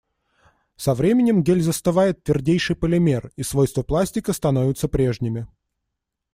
Со временем гель застывает в твердейший полимер, и свойства пластика становятся прежними.